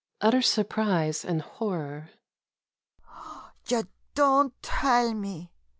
[Utter surprise and horror.] Ye don't tell me